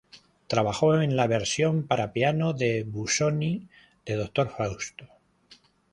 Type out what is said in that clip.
Trabajó en la versión para piano de Busoni de Doctor Fausto.